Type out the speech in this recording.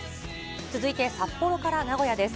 続いて札幌から名古屋です。